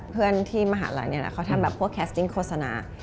เพื่อนที่มหาลัยนี่แหละเขาทำแบบพวกแคสติ้งโฆษณา